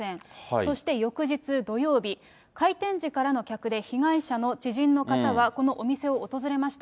そして翌日土曜日、開店時からの客で、被害者の知人の方はこのお店を訪れました。